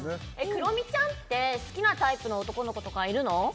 クロミちゃんって好きなタイプの男の子とかいるの？